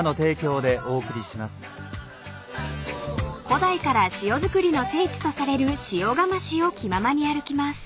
［古代から塩造りの聖地とされる塩竈市を気ままに歩きます］